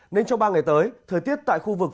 nên trong ba ngày tới thời tiết tại khu vực